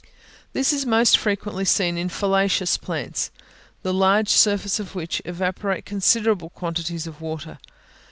This is most frequently seen in foliaceous plants, the large surfaces of which evaporate considerable quantities of water.